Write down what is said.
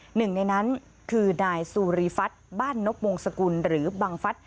หนึ่งในนั้นคือนายสุริฟัฐบ้านนบวงสกุลหรือบังฟัฐ